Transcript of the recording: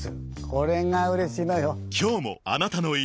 これがうれしいのよ。